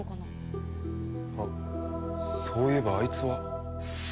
あっそういえばあいつは。